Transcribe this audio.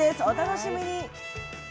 お楽しみに。